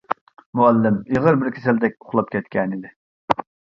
مۇئەللىم ئېغىر بىر كېسەلدەك ئۇخلاپ كەتكەنىدى.